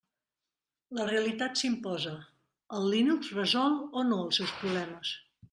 La realitat s'imposa: el Linux resol o no els seus problemes?